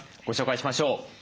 ご紹介しましょう。